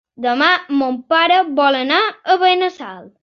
Demà mon pare vol anar a Benassal.